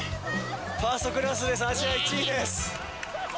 ファーストクラスです、アジア１位です。